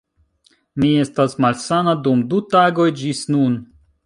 Mi estas malsana dum du tagoj ĝis nun